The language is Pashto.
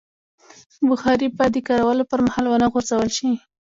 بخاري باید د کارولو پر مهال ونه غورځول شي.